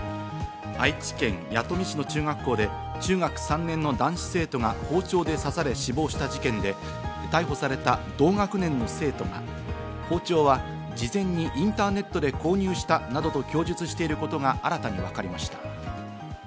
愛知県弥富市の中学校で中学３年の男子生徒が包丁で刺され死亡した事件で、逮捕された同学年の生徒が包丁は事前にインターネットで購入したなどと供述していることが新たに分かりました。